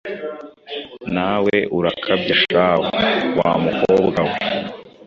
Nawe urakabya shahu wamukobwa we